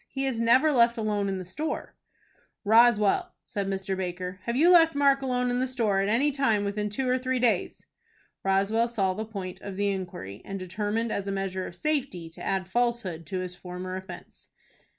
He is never left alone in the store." "Roswell," said Mr. Baker, "have you left Mark alone in the store at any time within two or three days?" Roswell saw the point of the inquiry, and determined, as a measure of safety, to add falsehood to his former offence.